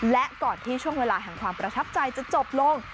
และก่อนที่ช่วงเวลาแห่งความประทับใจจะจบลง